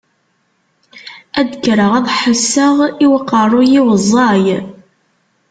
Ad d-kkreɣ ad ḥusseɣ i uqerruy-iw ẓẓay.